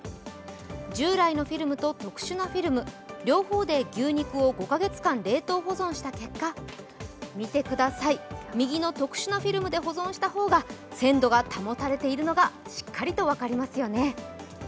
従来のフィルムと特殊なフィルム両方で牛肉を５か月間、冷凍保存した結果、見てください、右の特殊なフィルムで保存した方が鮮度がしっかり保たれているのがしっかりと分かりますよね。